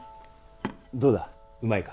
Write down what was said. どうだうまいか？